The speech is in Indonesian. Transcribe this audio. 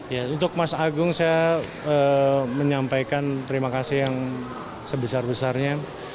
ya untuk mas agung saya menyampaikan terima kasih yang sebesar besarnya